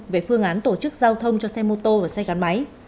về phương án tổ chức giao thông cho xe mô tô và xe gắn máy